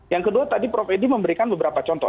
yang kedua tadi prof edi memberikan beberapa contoh